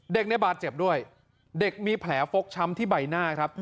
เด็กในบาดเจ็บด้วยเด็กมีแผลฟกช้ำที่ใบหน้าครับ